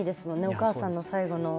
お母さんの最後の。